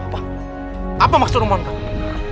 pak apa maksud rumahmu